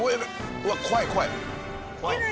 うわっ怖い怖い。